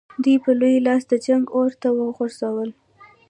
دوی په لوی لاس د جنګ اور ته وغورځول.